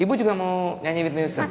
ibu juga mau nyanyi whitney houston